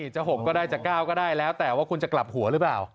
จะ๖ก็ได้จะ๙ก็ได้แล้วแต่ว่าคุณจะกลับหัวหรือเปล่า